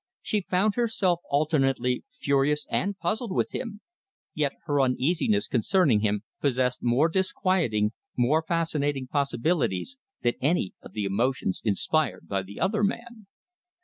She found herself alternately furious and puzzled with him, yet her uneasiness concerning him possessed more disquieting, more fascinating possibilities than any of the emotions inspired by the other man.